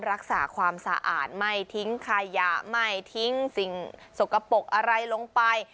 รักษาความสะอาดไม่ทิ้งขยะไม่ทิ้งสิ่งสกปรกอะไรลงไป